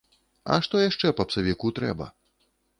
А што яшчэ папсавіку трэба?